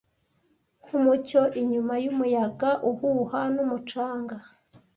Nkumucyo inyuma yumuyaga uhuha numucanga,